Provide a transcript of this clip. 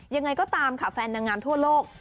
ยังไงก็ตามค่ะแฟนนางงามทั่วโลก